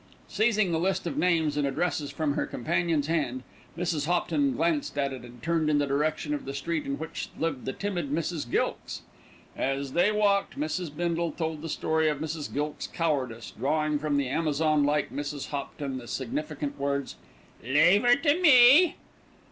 Seizing the list of names and addresses from her companion's hand, Mrs. Hopton glanced at it and turned in the direction of the street in which lived the timid Mrs. Gilkes. As they walked, Mrs. Bindle told the story of Mrs. Gilkes's cowardice, drawing from the Amazon like Mrs. Hopton the significant words "Leave 'er to me."